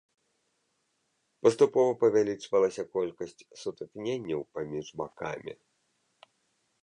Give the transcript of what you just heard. Паступова павялічвалася колькасць сутыкненняў паміж бакамі.